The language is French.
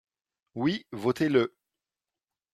Oui, votez-le